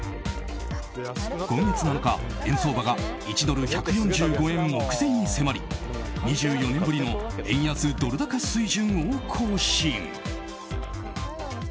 今月７日、円相場が１ドル＝１４５円目前に迫り２４年ぶりの円安ドル高水準を更新。